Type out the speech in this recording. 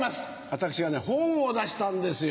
私が本を出したんですよ。